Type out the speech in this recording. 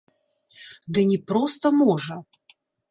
Ды не проста можа!